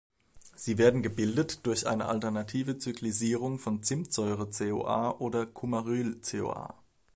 Sie werden gebildet durch eine alternative Cyclisierung von Zimtsäure-CoA oder Cumaryl-CoA.